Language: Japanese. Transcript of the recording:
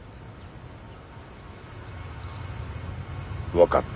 分かった。